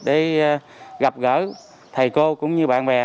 để gặp gỡ thầy cô cũng như bạn bè